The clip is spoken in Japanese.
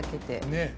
ねえ。